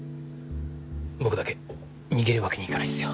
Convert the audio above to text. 僕だけ逃げるわけにいかないっすよ。